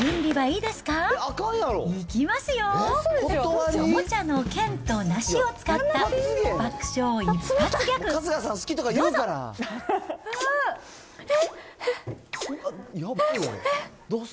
いきますよ、おもちゃの剣と梨を使った爆笑一発ギャグ、どうぞ。